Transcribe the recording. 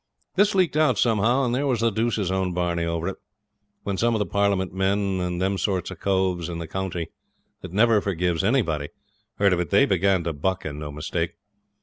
This leaked out somehow, and there was the deuce's own barney over it. When some of the Parliament men and them sort of coves in the country that never forgives anybody heard of it they began to buck, and no mistake.